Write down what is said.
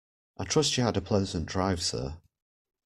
I trust you had a pleasant drive, sir.